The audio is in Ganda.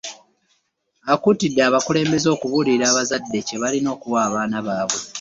Akuutidde abakulembeze okubuulira abazadde kye balina okuwa abaana baabwe.